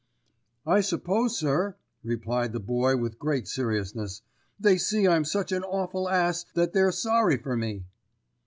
"I suppose, sir," replied the Boy with great seriousness, "they see I'm such an awful ass that they're sorry for me."